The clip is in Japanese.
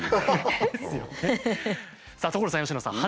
さあ所さん佳乃さん。